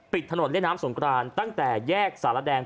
ถนนเล่นน้ำสงกรานตั้งแต่แยกสารแดง